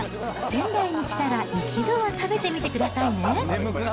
仙台に来たら一度は食べてみてくださいね。